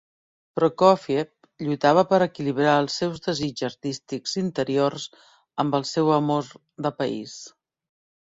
Prokófiev lluitava per equilibrar els seus desigs artístics interiors amb el seu amor de país.